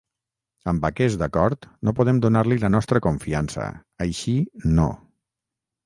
Amb aquest acord no podem donar-li la nostra confiança, així no.